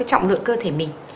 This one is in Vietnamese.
trọng lượng cơ thể mình